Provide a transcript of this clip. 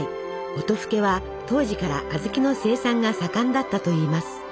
音更は当時から小豆の生産が盛んだったといいます。